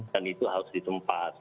dan itu harus ditempat